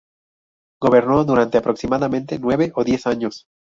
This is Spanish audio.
Gobernó durante aproximadamente nueve o diez años.